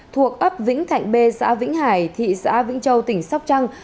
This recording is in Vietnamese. thuộc ấp vĩnh thạnh b xã vĩnh hải thị xã vĩnh châu tỉnh sóc trăng